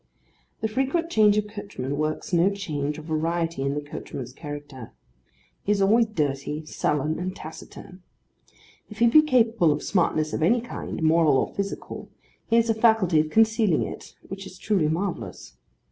The frequent change of coachmen works no change or variety in the coachman's character. He is always dirty, sullen, and taciturn. If he be capable of smartness of any kind, moral or physical, he has a faculty of concealing it which is truly marvellous.